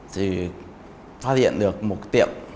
thì phát hiện được một tiệm